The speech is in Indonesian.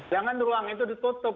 jangan ruang itu ditutup